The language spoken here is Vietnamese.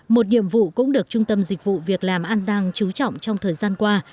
một nhiệm vụ cũng được trung tâm dịch vụ việc làm an giang chú trọng trong thời gian qua